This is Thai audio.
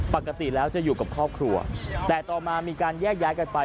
ปกติแล้วจะอยู่กับครอบครัวแต่ต่อมามีการแยกย้ายกันไป